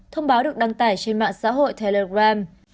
thông báo được đăng tải trên mạng xã hội telegram